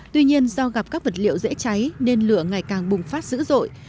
tuy nhiên do gặp các vật liệu dễ cháy nên lửa ngày càng bùng phát dữ dội